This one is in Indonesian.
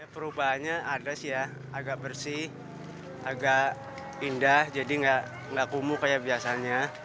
perubahannya agak bersih agak indah jadi tidak kumuh seperti biasanya